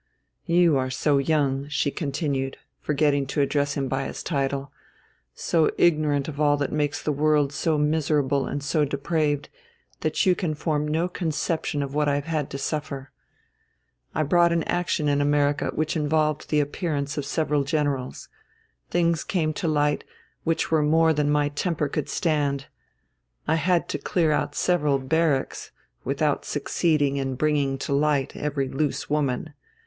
You are so young," she continued, forgetting to address him by his title, "so ignorant of all that makes the world so miserable and so depraved, that you can form no conception of what I have had to suffer. I brought an action in America which involved the appearance of several generals. Things came to light which were more than my temper could stand. I had to clear out several barracks without succeeding in bringing to light every loose woman.